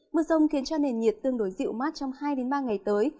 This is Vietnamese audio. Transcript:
mưa rông khiến cho nền nhiệt tương đối dịu mát trong hai ba ngày tới